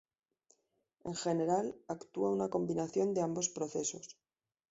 En general actúa una combinación de ambos procesos.